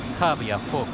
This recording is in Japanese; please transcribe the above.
カーブやフォーク